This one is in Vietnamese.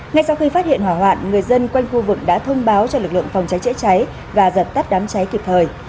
ngay sau khi phát hiện hỏa hoạn người dân quanh khu vực đã thông báo cho lực lượng phòng cháy chữa cháy và dập tắt đám cháy kịp thời